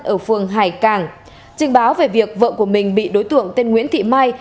ở phương hải càng trình báo về việc vợ của mình bị đối tượng tên nguyễn thị mai